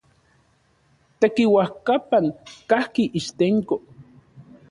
Tekiuajkapan kajki Ixtenco.